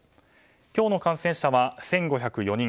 今日の感染者は１５０４人。